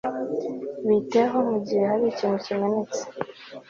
Bite ho mugihe hari ikintu kimenetse